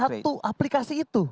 jadi di satu aplikasi itu